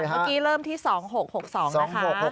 เมื่อกี้เริ่มที่๒๖๖๒นะคะ